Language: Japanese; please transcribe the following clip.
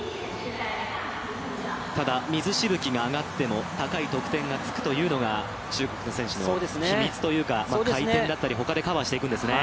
ただ、水しぶきが上がっても高い得点がつくというのが中国の選手の秘密というか回転だったり、他でカバーしていくんですね。